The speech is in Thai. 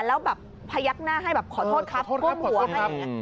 แล้วแบบพยักหน้าให้แบบขอโทษครับก้มหัวให้อย่างนี้